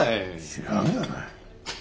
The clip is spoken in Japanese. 知らんがな。